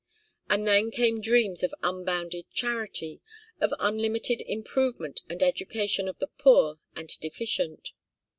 And then came dreams of unbounded charity, of unlimited improvement and education of the poor and deficient.